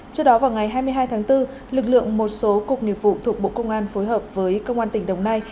trước đó vào ngày hai mươi hai tháng bốn lực lượng một số cục nghiệp vụ thuộc bộ công an phối hợp với công an tỉnh đồng nai